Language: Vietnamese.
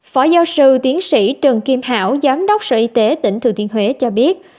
phó giáo sư tiến sĩ trần kim hảo giám đốc sở y tế tỉnh thừa thiên huế cho biết